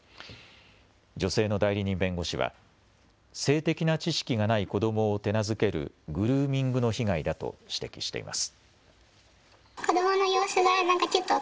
女性の代理人弁護士は性的な知識がない子どもを手なずけるグルーミングの被害だと指摘しています。